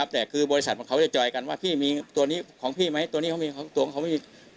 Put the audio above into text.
แต่คือบริษัทมันเขาจะจ่อยกันว่าพี่มีตัวนี้ของพี่ไหมตัวนี้เขาไม่มี